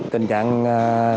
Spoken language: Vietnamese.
tình trạng khai cát